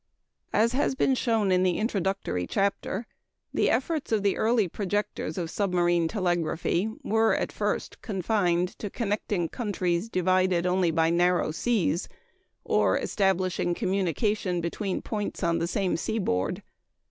As has been shown in the introductory chapter, the efforts of the early projectors of submarine telegraphy were at first confined to connecting countries divided only by narrow seas, or establishing communication between points on the same seaboard.